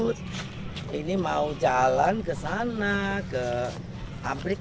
ini ini mau jalan ke sana ke ambrek